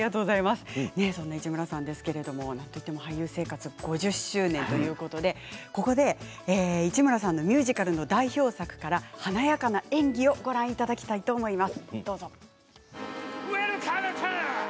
そんな市村さんですが俳優生活５０周年ということでここで市村さんのミュージカルの代表作から華やかな演技をご覧いただきたいと思います。